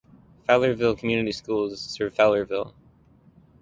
Fowlerville Community Schools serve Fowlerville.